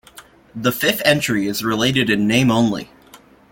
The fifth entry is related in name only.